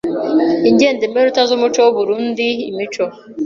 Indengemenote z’umuco w’u Burunndi Imico